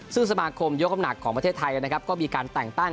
ซึ่งสมาคมยกคำหนักของประเทศไทยนะครับก็มีการแต่งตั้ง